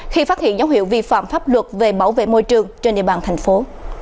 khi phát hiện dấu hiệu vi phạm pháp luật về bảo vệ môi trường trên địa bàn thành phố